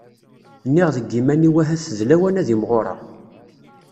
Nniɣ deg yiman-iw ahat d lawan fell-i ad imɣureɣ.